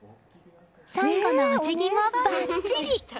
最後のお辞儀もばっちり！